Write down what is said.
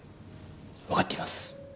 分かっています。